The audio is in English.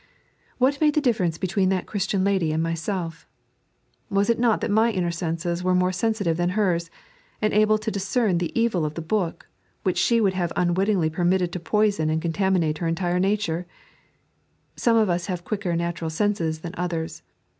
What made the difference between that Christian lady and myself I Was it not that my inner senses were more sensitive than hers, and able to discern the evil of the hook, which she would have unwittingly permitted to poison and contaminate her entire nature 1 Some of us have quicker natural senses than others.